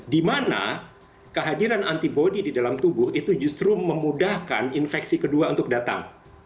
dimana kehadiran antibody di dalam tubuh itu justru memudahkan infeksi kedua untuk datang